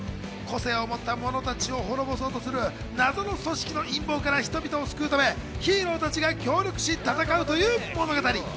個性をもった者たちを滅ぼそうとする謎の組織の陰謀から人々を救うためヒーローたちが協力し、戦うという物語。